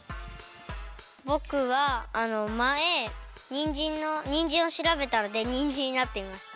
ぼくはあのまえにんじんのにんじんをしらべたのでにんじんになってみました。